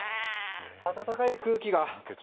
暖かい空気が。